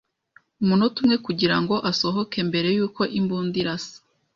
umunota umwe kugira ngo asohoke mbere yuko imbunda irasa. ”